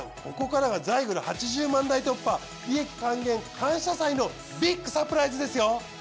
ここからがザイグル８０万台突破利益還元感謝祭のビッグサプライズですよ。